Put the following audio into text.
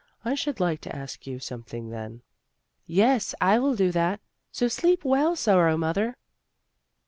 I should like to ask you something then." "Yes, I will do that, so sleep well, Sorrow mother!"